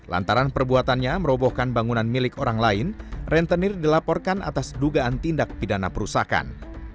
lantaran perbuatannya merobohkan bangunan milik orang lain rentenir dilaporkan atas dugaan tindak pidana perusakan